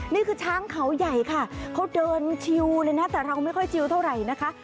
นี่คือช้างเขาใหญ่ค่ะเขาเดินชิวเลยนะแต่เราไม่ค่อยชิวเท่าไหร่นะคะ